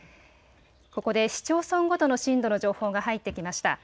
ここで市町村ごとの震度の情報が入ってきました。